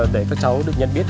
để các cháu được nhận biết